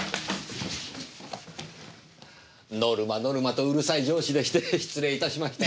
ノルマノルマとうるさい上司でして失礼いたしました。